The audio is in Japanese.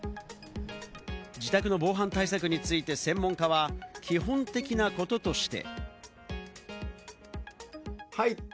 自宅の防犯対策について専門家は基本的なこととして。